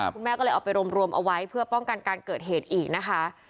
คุณแม่ก็เลยเอาไปรวมเอาไว้เพื่อป้องกันการเกิดเหตุอีกนะคะ